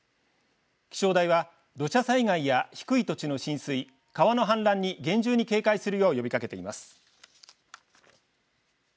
気象台は土砂災害や低い土地の浸水川の氾濫に厳重に警戒するよう呼びかけています。